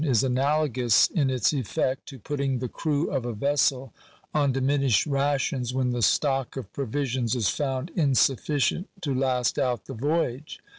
235 analogous in its effect to putting the crew of a vessel on diminished rations when the stock of provisions is found in sufficient to last out the voyage.